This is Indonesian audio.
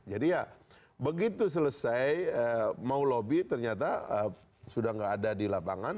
jadi ya begitu selesai mau lobby ternyata sudah tidak ada di lapangan